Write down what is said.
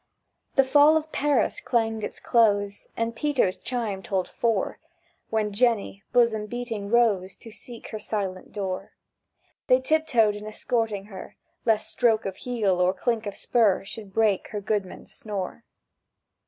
The "Fall of Paris" clanged its close, And Peter's chime told four, When Jenny, bosom beating, rose To seek her silent door. They tiptoed in escorting her, Lest stroke of heel or clink of spur Should break her goodman's snore.